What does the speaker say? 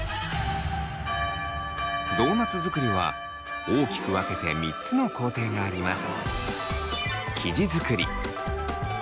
ドーナツ作りは大きく分けて３つの工程があります。